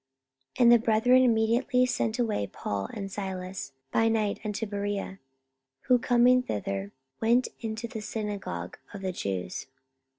44:017:010 And the brethren immediately sent away Paul and Silas by night unto Berea: who coming thither went into the synagogue of the Jews.